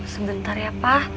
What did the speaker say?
sebentar ya pa